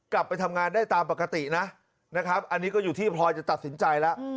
กลับไปทำงานได้ตามปกตินะนะครับอันนี้ก็อยู่ที่พลอยจะตัดสินใจแล้ว